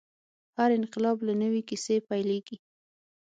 هر انقلاب له نوې کیسې پیلېږي.